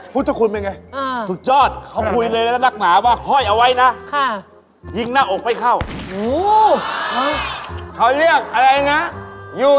พุทธคุณเป็นไงให้ล่างมาว็อคอยเอาไว้นะค่ะยิงหน้าอกไปเข้าหู้เขาเรียกอะไรนะอยู่